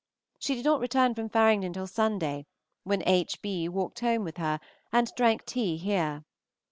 She did not return from Faringdon till Sunday, when H. B. walked home with her, and drank tea here.